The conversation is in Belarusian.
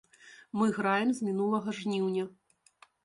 Мы граем з мінулага жніўня.